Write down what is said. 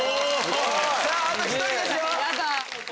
あと１人ですよ！